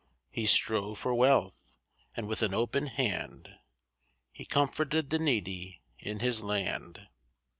He strove for wealth, and with an open hand He comforted the needy in his land.